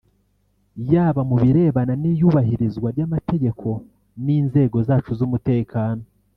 yaba mu birebana n’iyubahirizwa ry’amategeko n’inzego zacu z’umutekano